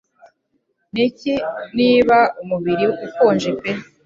Niki 'niba umubiri ukonje pe